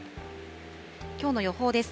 きょうの予報です。